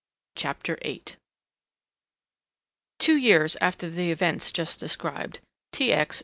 CHAPTER VIII Two years after the events just described, T. X.